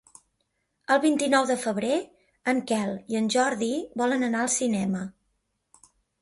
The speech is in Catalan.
El vint-i-nou de febrer en Quel i en Jordi volen anar al cinema.